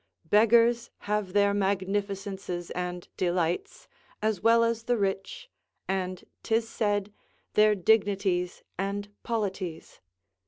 Beggars have their magnificences and delights, as well as the rich, and, 'tis said, their dignities and polities.